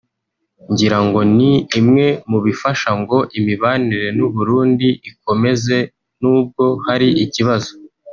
ngira ngo ni imwe mu bifasha ngo imibanire n’u Burundi ikomeze nubwo hari ikibazo